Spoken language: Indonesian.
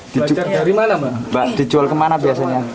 dijual ke mana biasanya